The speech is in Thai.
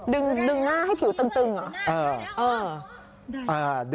ดึงหน้าให้ผิวตึงเหรอ